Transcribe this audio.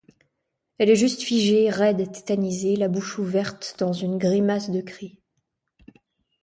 Elle est juste figée, raide, tétanisée, la bouche ouverte dans une grimace de cri.